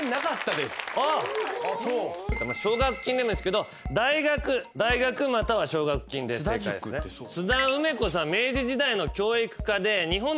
奨学金なんですけど大学または奨学金で正解ですね。